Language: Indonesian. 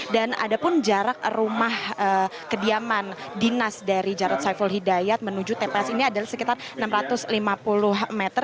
dan ada pun jarak rumah kediaman dinas dari jarod saiful hidayat menuju tps ini adalah sekitar enam ratus lima puluh meter